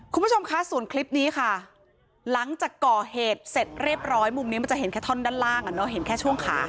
คุณผู้ชมคะส่วนคลิปนี้ค่ะหลังจากก่อเหตุเสร็จเรียบร้อยมุมนี้มันจะเห็นแค่ท่อนด้านล่างอ่ะเนอะเห็นแค่ช่วงขา